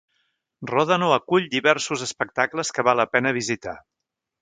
Rodano acull diversos espectacles que val la pena visitar.